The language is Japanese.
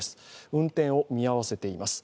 運転を見合わせています。